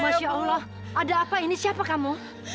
masya allah ada apa ini siapa kamu